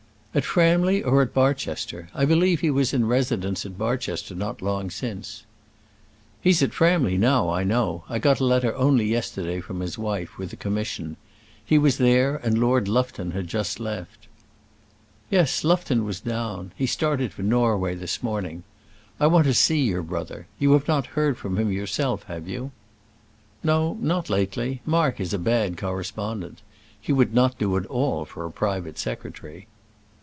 "At Framley or at Barchester? I believe he was in residence at Barchester not long since." "He's at Framley now, I know. I got a letter only yesterday from his wife, with a commission. He was there, and Lord Lufton had just left." "Yes; Lufton was down. He started for Norway this morning. I want to see your brother. You have not heard from him yourself, have you?" "No; not lately. Mark is a bad correspondent. He would not do at all for a private secretary."